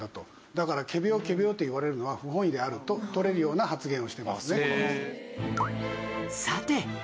だから「仮病仮病」と言われるのは不本意であると取れるような発言をしています。